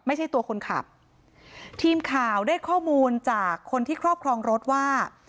ไม่ใช่ตัวคนขับทีมข่าวได้ข้อมูลจากคนที่ครอบครองรถว่า